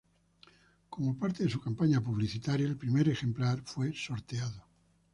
Como parte de su campaña publicitaria, el primer ejemplar fue sorteado.